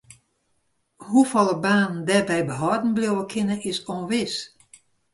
Hoefolle banen dêrby behâlden bliuwe kinne is ûnwis.